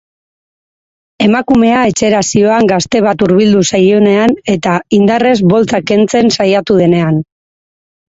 Emakumea etxera zihoan gazte bat hurbildu zaionean eta indarrez boltsa kentze saiatu denean.